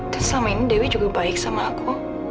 dan selama ini dewi juga baik sama aku